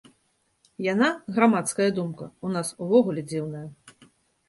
Яна, грамадская думка, у нас увогуле дзіўная.